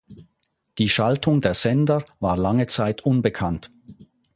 Die Schaltung der Sender war lange Zeit unbekannt.